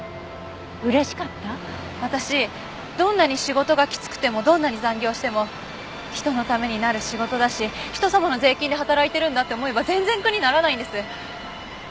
私どんなに仕事がきつくてもどんなに残業しても人のためになる仕事だし人様の税金で働いてるんだって思えば全然苦にならないんです。